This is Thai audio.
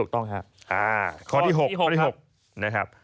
ข้อที่๖นะครับ